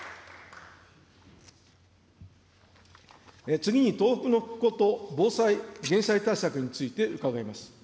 次に東北の復興と防災・減災対策について、伺います。